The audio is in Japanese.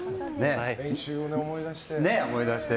練習を思い出して。